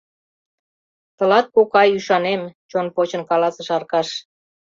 — Тылат, кокай, ӱшанем, — чон почын каласыш Аркаш.